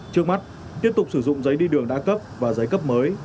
trước mắt tiếp tục sử dụng giấy đi đường đã cấp và giấy cấp mới